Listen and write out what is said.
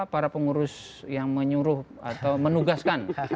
para pengurus yang menyuruh atau menugaskan